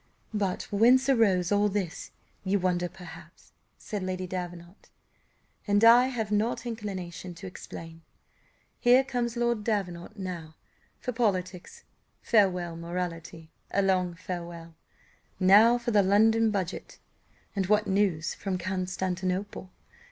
"But whence arose all this? you wonder, perhaps," said Lady Davenant; "and I have not inclination to explain. Here comes Lord Davenant. Now for politics farewell morality, a long farewell. Now for the London budget, and 'what news from Constantinople?